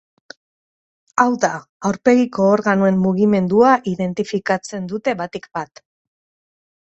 Hau da, aurpegiko organoen mugimendua identifikatzen dute batik bat.